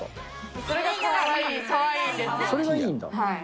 それがいいんだ。